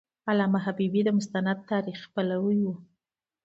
علامه حبیبي د مستند تاریخ پلوی و.